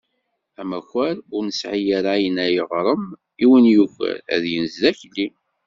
Amakar ur nesɛi ara ayen ara yeɣrem i win yuker, ad yenz d akli.